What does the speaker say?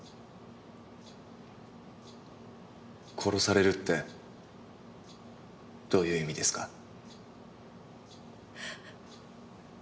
殺されるってどういう意味ですか？